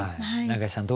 永井さん